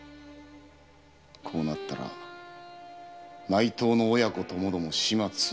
こうなったら内藤の親子ともども始末するしかあるまい。